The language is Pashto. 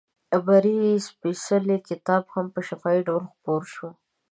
عبري سپېڅلی کتاب هم په شفاهي ډول خپور شو.